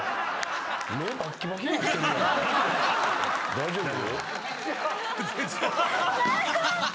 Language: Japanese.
大丈夫？